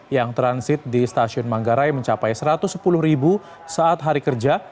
yang transit di stasiun manggarai mencapai satu ratus sepuluh ribu saat hari kerja